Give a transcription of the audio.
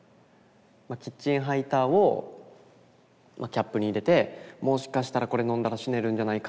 キッチンハイターをキャップに入れてもしかしたらこれ飲んだら死ねるんじゃないか。